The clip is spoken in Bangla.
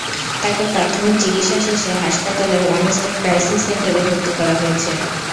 তাকে প্রাথমিক চিকিৎসা শেষে হাসপাতালে ওয়ান স্টপ ক্রাইসিস সেন্টারে ভর্তি করা হয়েছে।